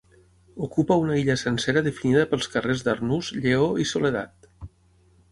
Ocupa una illa sencera definida pels carrers d'Arnús, Lleó i Soledat.